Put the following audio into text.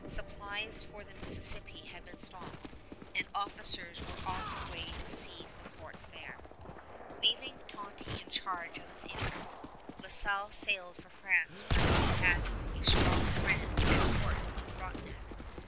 Supplies for the Mississippi had been stopped, and officers were on their way to seize the forts there. Leaving Tonty in charge of his interests, La Salle sailed for France where he had a strong friend at court in Frontenac.